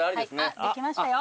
できましたよ。